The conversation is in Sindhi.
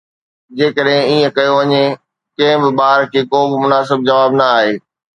جيڪڏهن ائين ڪيو وڃي، ڪنهن به ٻار کي ڪو به مناسب جواب نه آهي